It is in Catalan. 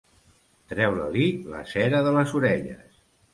Treure-li la cera de les orelles.